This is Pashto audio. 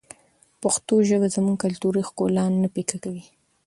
پښتو ژبه زموږ کلتوري ښکلا نه پیکه کوي.